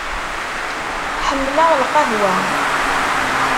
Ḥemmleɣ lqahwa.